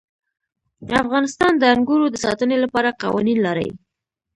افغانستان د انګورو د ساتنې لپاره قوانین لري.